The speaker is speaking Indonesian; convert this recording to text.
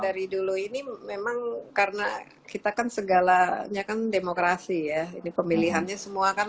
dari dulu ini memang karena kita kan segalanya kan demokrasi ya ini pemilihannya semua kan